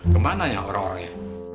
kemana ya orang orangnya